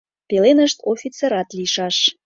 Пеленышт офицерат лийшаш.